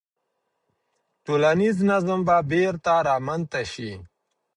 ټولنیز نظم به بیرته رامنځته سي.